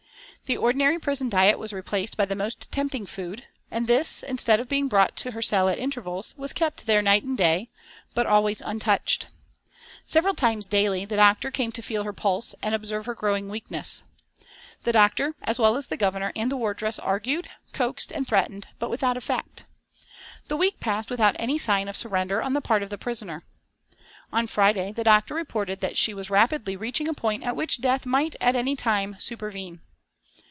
The ordinary prison diet was replaced by the most tempting food, and this instead of being brought to her cell at intervals, was kept there night and day, but always untouched. Several times daily the doctor came to feel her pulse and observe her growing weakness. The doctor, as well as the Governor and the wardresses argued, coaxed and threatened, but without effect. The week passed without any sign of surrender on the part of the prisoner. On Friday the doctor reported that she was rapidly reaching a point at which death might at any time supervene.